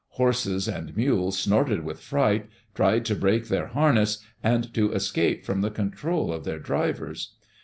Horses and mules snorted with fright, tried to break their harness, and to escape from the control of their drivers.